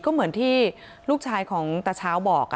ก็เหมือนที่ลูกชายของตาเช้าบอก